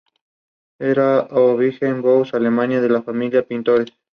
Este modelo ya está patentado.